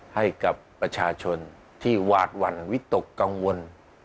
ให้กับประชาชนที่วาดหวั่นวิตกกังวล